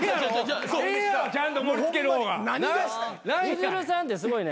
ゆずるさんってすごいね。